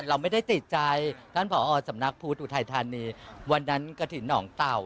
เราไม่ได้ติดใจท่านผอสำนักพุทธอุทัยธานีวันนั้นกระถิ่นหนองเต่า